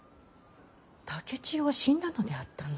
竹千代は死んだのであったの。